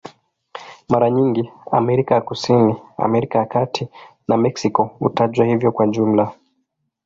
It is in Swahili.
Mara nyingi Amerika ya Kusini, Amerika ya Kati na Meksiko hutajwa hivyo kwa jumla.